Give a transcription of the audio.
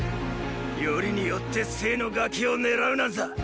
よりによって政のガキを狙うなんざ！！